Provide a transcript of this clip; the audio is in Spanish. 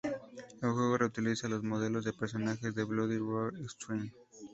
El juego reutiliza los modelos de personajes de "Bloody Roar Extreme".